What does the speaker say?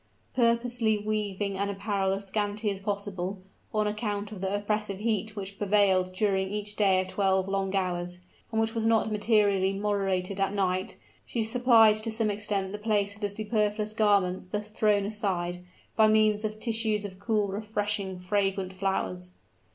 Purposely wearing an apparel as scanty as possible, on account of the oppressive heat which prevailed during each day of twelve long hours, and which was not materially moderated at night, she supplied to some extent the place of the superfluous garments thus thrown aside, by means of tissues of cool, refreshing, fragrant flowers.